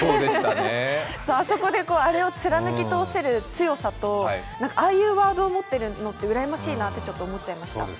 あそこで、あれを貫き通せる強さとああいうワードを持ってるのってうらやましいなってちょっと思いました。